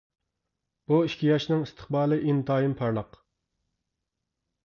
بۇ ئىككى ياشنىڭ ئىستىقبالى ئىنتايىن پارلاق!